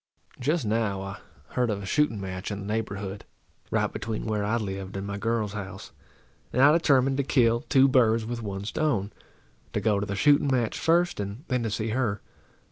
Just now I heard of a shooting match in the neighbourhood, right between where I lived and my girl's house; and I determined to kill two birds with one stone, to go to the shooting match first, and then to see her.